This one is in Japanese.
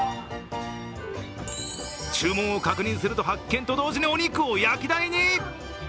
注文を確認すると発券と同時にお肉を焼き台に。